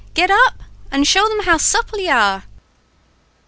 Get up, and show them how supple you are!"